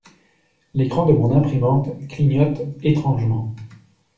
L'écran de mon imprimante clignote étrangement.